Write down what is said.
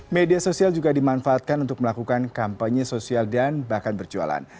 media sosial juga dimanfaatkan untuk melakukan kampanye sosial dan bahkan berjualan